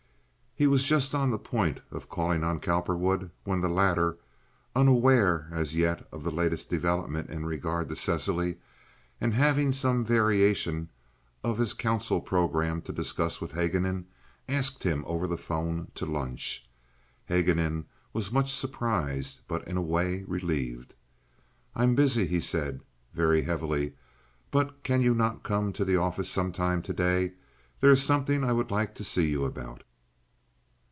He was just on the point of calling on Cowperwood when the latter, unaware as yet of the latest development in regard to Cecily, and having some variation of his council programme to discuss with Haguenin, asked him over the 'phone to lunch. Haguenin was much surprised, but in a way relieved. "I am busy," he said, very heavily, "but cannot you come to the office some time to day? There is something I would like to see you about."